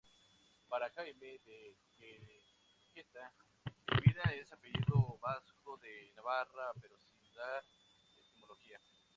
Para Jaime de Querejeta, Elvira es apellido vasco de Navarra, pero sin dar etimología.